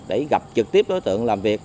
để gặp trực tiếp đối tượng làm việc